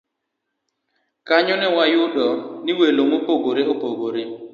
Kanyo ne wayudoe welo mopogore opogore